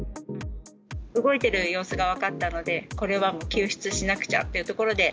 動いてる様子が分かったので、これは救出しなくちゃというところで。